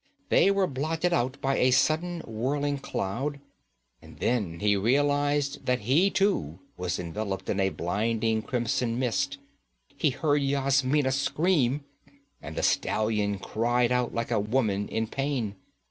They were blotted out by a sudden whirling cloud and then he realized that he too was enveloped in a blinding crimson mist he heard Yasmina scream, and the stallion cried out like a woman in pain.